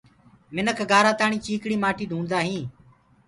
منک گآرآ تآڻي چيٚڪڻي مآٽي ڍونڊدآ هين۔